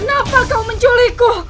kenapa kau menculikku